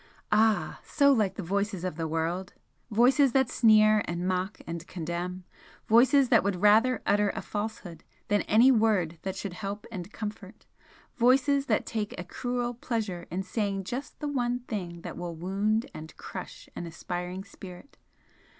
Ah! so like the voices of the world! Voices that sneer and mock and condemn! voices that would rather utter a falsehood than any word that should help and comfort voices that take a cruel pleasure in saying just the one thing that will wound and crush an aspiring spirit!